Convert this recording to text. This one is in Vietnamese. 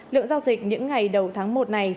lượng giao dịch những ngày đầu tháng một này